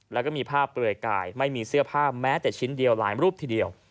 แล้วก็มีภาพเปลือยกายไม่มีเสื้อผ้าแม้แต่ชิ้นเดียวหลายรูปทีเดียว